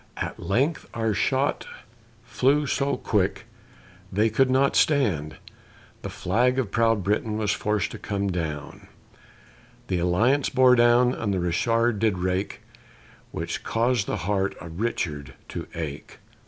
At length our shot flew so quick, they could not stand: The flag of proud Britain was forced to come down, The Alliance bore down and the Richard did rake, Which caused the heart of Richard to ache.